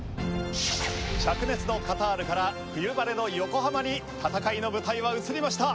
灼熱のカタールから冬晴れの横浜に戦いの舞台は移りました。